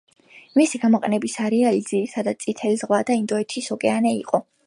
მისი გამოყენების არეალი, ძირითადად, წითელი ზღვა და ინდოეთის ოკეანე იყო.